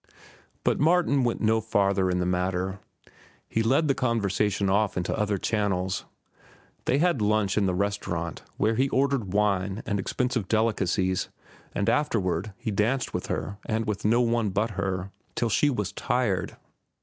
But Martin went no further into the matter. He led the conversation off into other channels. They had lunch in the restaurant, where he ordered wine and expensive delicacies and afterward he danced with her and with no one but her, till she was tired.